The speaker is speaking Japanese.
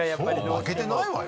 負けてないわよ